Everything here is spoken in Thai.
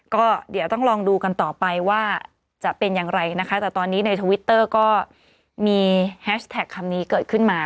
ก็เดี๋ยวต้องลองดูกันต่อไปว่าจะเป็นอย่างไรนะคะแต่ตอนนี้ในทวิตเตอร์ก็มีแฮชแท็กคำนี้เกิดขึ้นมา